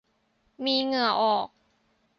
มีเหงื่อออก